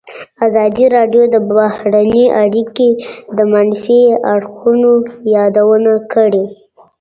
ازادي راډیو د بهرنۍ اړیکې د منفي اړخونو یادونه کړې.